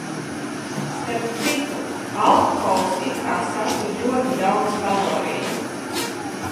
Starp citu, alkohols it kā satur ļoti daudz kaloriju.